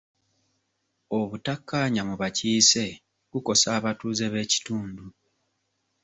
Obutakkaanya mu bakiise kukosa abatuuze b'ekitundu.